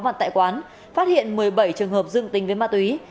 mặt tại quán phát hiện một mươi bảy trường hợp dương tình với ma túy